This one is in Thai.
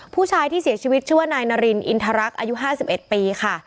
ผู้ชายที่เสียชีวิตชื่อว่านายนารินอินทรรักษ์อายุ๕๑ปีค่ะ